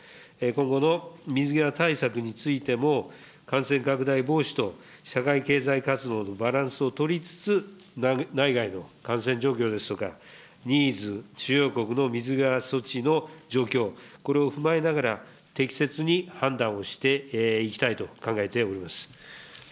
今後の水際対策についても、感染拡大防止と社会経済活動のバランスを取りつつ、内外の感染状況ですとか、ニーズ、主要国の水際措置の状況、これを踏まえながら、適切に判断をしていきたいと考えております。